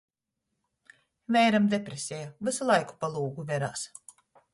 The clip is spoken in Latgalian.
Veiram depreseja, vysu laiku pa lūgu verās...